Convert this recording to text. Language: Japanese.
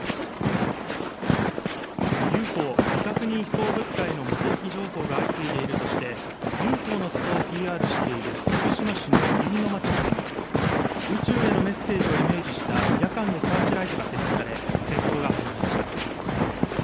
ＵＦＯ、未確認飛行物体の目撃情報が相次いでいるとしてＵＦＯの里をＰＲしている徳島市の飯野町地区に宇宙へのメッセージをイメージした夜間のサーチライトが設置され点灯が始まりました。